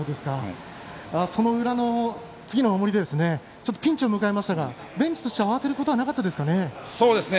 その裏の次の守りでピンチを迎えましたがベンチとしては慌てることはなかったですかね。